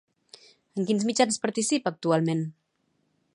En quins mitjans participa actualment?